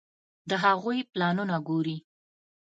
د هغوی پلانونه ګوري.